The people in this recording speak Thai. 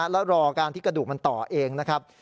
แล้วรอการที่กระดูกมันต่อเองนะครับ